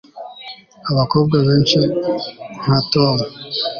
abakobwa benshi nka tom